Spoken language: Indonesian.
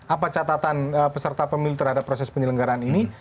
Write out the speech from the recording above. apa catatan peserta pemilu terhadap proses penyelenggaraan ini